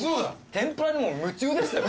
天ぷらにもう夢中でしたよ。